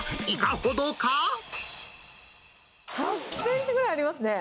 ８センチぐらいありますね。